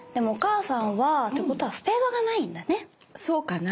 そうかな？